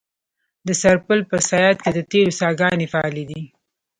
د سرپل په صیاد کې د تیلو څاګانې فعالې دي.